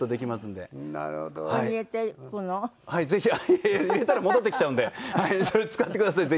いやいや入れたら戻ってきちゃうのでそれ使ってください